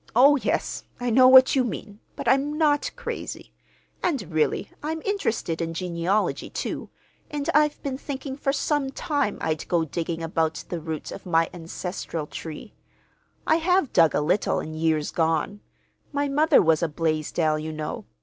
"Oh, yes, I know what you mean, but I'm not crazy. And really I'm interested in genealogy, too, and I've been thinking for some time I'd go digging about the roots of my ancestral tree. I have dug a little, in years gone. My mother was a Blaisdell, you know.